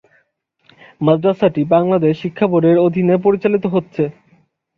মাদ্রাসাটি বাংলাদেশ শিক্ষাবোর্ডের অধীনে পরিচালিত হচ্ছে।